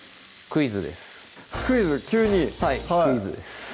クイズ急にはいクイズです